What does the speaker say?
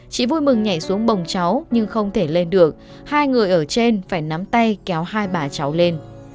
chị vui mừng nhảy xuống bồng cháu nhưng không thể lên được hai người ở trên phải nắm tay kéo hai bà cháu lên